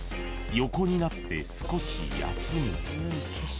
横になって少し休む］